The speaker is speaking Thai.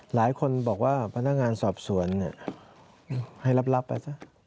หลายคนบอกว่าพนักงานสอบสวนให้รับไปซะ